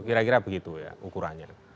kira kira begitu ya ukurannya